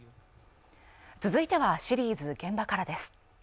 続いてはシリーズ「現場から」です